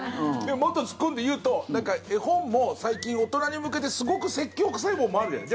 もっと突っ込んで言うと絵本も最近、大人に向けてすごく説教臭いものもあるじゃん。